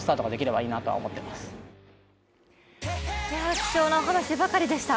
貴重なお話ばかりでした。